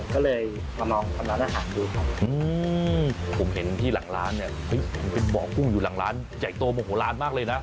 ก็เลยมาลองทำร้านอาหารดูครับผมเห็นที่หลังร้านเนี่ยเฮ้ยมันเป็นบ่อกุ้งอยู่หลังร้านใหญ่โตโมโหลานมากเลยนะ